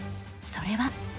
それは。